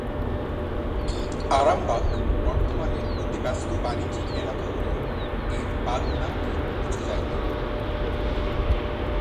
আরামবাগ বর্তমানের অতি ব্যস্ত বাণিজ্যিক এলাকা হলেও এর বাগ নামটি মুছে যায়নি।